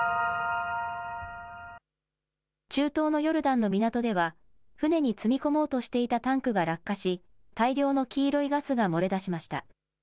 中東のヨルダンの港では船に積み込もうとしていたタンクが落下し、大量の黄色いガスが漏れ出しました。